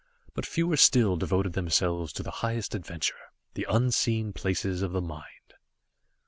But fewer still devoted themselves to the highest adventure, the unseen places of the mind.